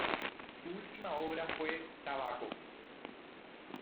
Su última obra fue "Tabaco.